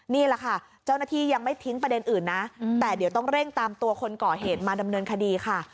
นี่แหละค่ะเจ้าหน้าที่ยังไม่ทิ้งประเด็นอื่นนะแต่เดี๋ยวต้องเร่งตามตัวคนก่อเหตุมาดำเนินคดีค่ะ